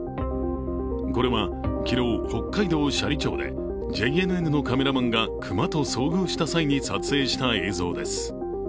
これは昨日北海道斜里町でＪＮＮのカメラマンが熊と遭遇した際に撮影した映像です。